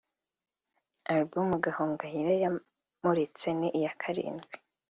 Album Gahongayire yamuritse ni iya karindwi